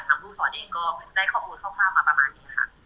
ทางภูมิสอนเองก็ได้ข้อมูลข้อมูลมาประมาณนี้ค่ะ